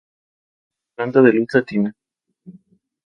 Planta de cruz latina.